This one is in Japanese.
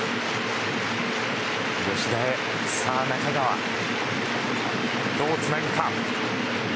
吉田へ、さあ中川どうつなぐか。